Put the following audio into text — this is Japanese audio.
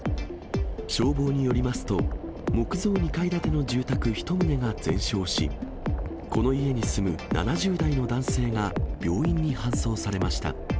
消防によりますと、木造２階建ての住宅１棟が全焼し、この家に住む７０代の男性が病院に搬送されました。